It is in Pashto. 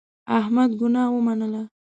احمد ګناه ومنله.